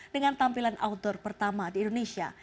dengan tampilan outdoor pertama di indonesia